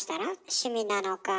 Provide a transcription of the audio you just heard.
趣味なのか。